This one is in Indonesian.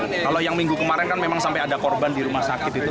kalau yang minggu kemarin kan memang sampai ada korban di rumah sakit itu